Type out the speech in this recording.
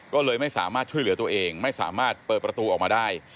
ก็เลยไม่สามารถช่วยเหลือตัวเองไม่สามารถเปิดประตูออกมาได้